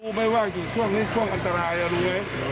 รู้ไหมว่าอยู่ช่วงนี้ช่วงอันตรายเอาด้วย